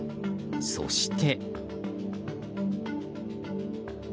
そして。